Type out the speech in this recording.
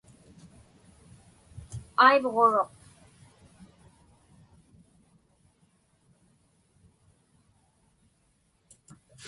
Aivġuruq.